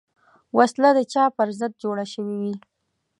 وسله د چا پر ضد جوړه شوې وي